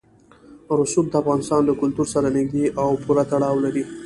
رسوب د افغانستان له کلتور سره نږدې او پوره تړاو لري.